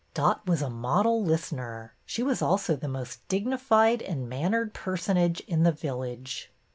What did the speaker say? Dot was a model listener; she was also the most dignified and mannered personage in the village.